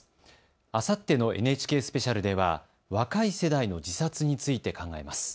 あさってのＮＨＫスペシャルでは若い世代の自殺について考えます。